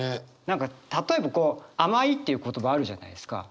何か例えば甘いっていう言葉あるじゃないですか。